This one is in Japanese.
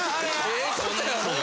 ・ええことやろが。